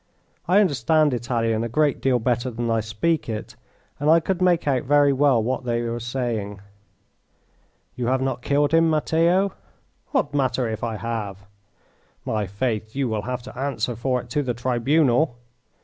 I understand Italian a great deal better than I speak it, and I could make out very well what they were saying. "You have not killed him, Matteo?" "What matter if I have?" "My faith, you will have to answer for it to the tribunal."